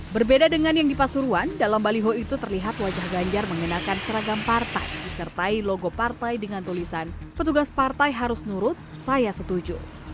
berbeda dengan yang di pasuruan dalam baliho itu terlihat wajah ganjar mengenakan seragam partai disertai logo partai dengan tulisan petugas partai harus nurut saya setuju